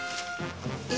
え！？